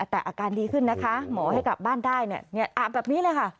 แต่อาการดีขึ้นนะคะหมอให้กลับบ้านได้เนี่ยอาบแบบนี้เลยค่ะ